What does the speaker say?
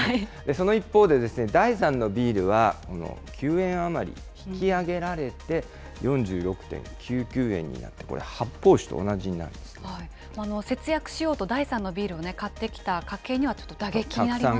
その一方で、第３のビールは９円余り引き上げられて、４６．９９円になって、これ、発泡酒と同じにな節約しようと第３のビールを買ってきた家計には、ちょっと打撃になりますよね。